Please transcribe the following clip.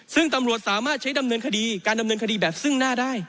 ซึ่งตำรวจสามารถใช้ดำเนินคดีการดำเนินคดีแบบซึ่งหน้าได้